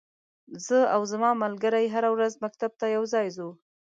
زه او ځما ملګری هره ورځ مکتب ته یوځای زو.